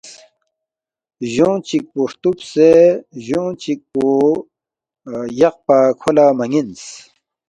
لجونگ چِک پو ہرتُوبسے لجونگ چِک پو یقپا کھو لہ مہ یَنس